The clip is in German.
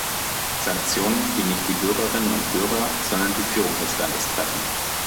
Sanktionen, die nicht die Bürgerinnen und Bürger, sondern die Führung des Landes treffen.